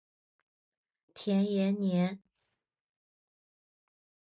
田延年。